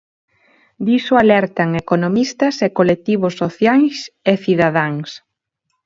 Diso alertan economistas e colectivos sociais e cidadáns.